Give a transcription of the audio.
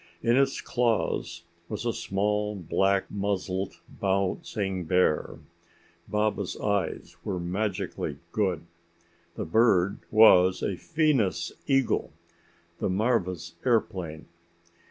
In its claws was a small black muzzled bouncing bear. Baba's eyes were magically good. The bird was a Venus eagle the marva's airplane.